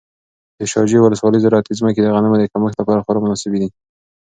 د شاجوی ولسوالۍ زراعتي ځمکې د غنمو د کښت لپاره خورا مناسبې دي.